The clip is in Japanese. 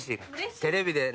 テレビでな。